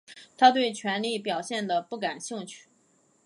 他对权力表现得不感兴趣。